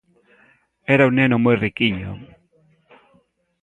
Era un neno moi riquiño